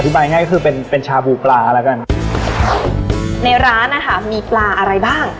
บายง่ายก็คือเป็นเป็นชาบูปลาแล้วกันในร้านนะคะมีปลาอะไรบ้าง